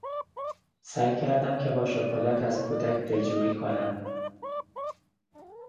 سعی کردم که با شکلات از کودک دلجویی کنم.